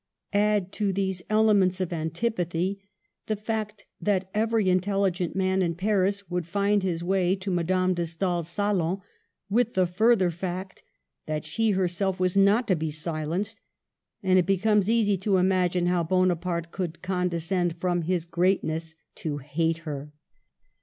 Add to all these elements of antipathy the fact that every intelligent man in Paris would find his way to Madame de Stael's salon, with the further fact that she herself was not to be silenced, and it becomes easy to understand how Bonaparte could condescend from his greatness to hate her.